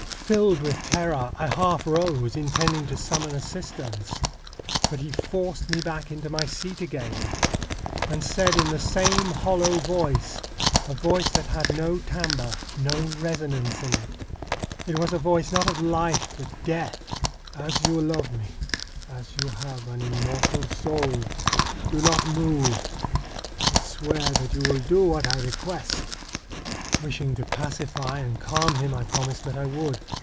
Filled with terror, I half rose, intending to summon assistance, but he forced me back into my seat again, and said in the same hollow voice, a voice that had no timbre, no resonance in it ; it was a voice not of life but death :' As you love me, as you have an immortal soul, do not move, but swear that you will do what I request !' Wishing to pacify and calm him, I promised that I would.